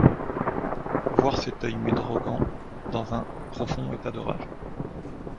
Voir cet œil met Drogan dans un profond état de rage.